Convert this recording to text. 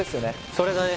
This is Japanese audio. それだね